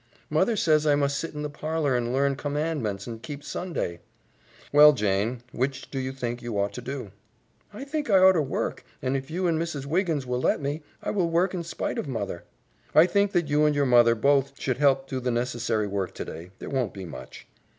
"Mother says I must sit in the parlor 'n' learn Commandments 'n' keep Sunday." "Well, Jane, which do you think you ought to do?" "I think I oughter work, and if you and Mrs. Wiggins will let me, I will work in spite of mother." "I think that you and your mother both should help do the necessary work today. There won't be much."